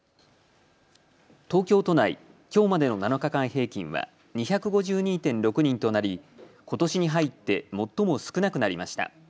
東京都内、きょうまでの７日間平均は２５２．６人となりことしに入って最も少なくなりました。